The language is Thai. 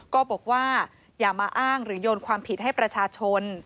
ก็บอกว่าอย่ามาอ้างหรือโยนความผิดให้ประชาชน